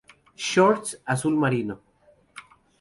Shorts:Azul marino.